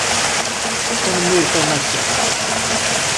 Tanmirt a massa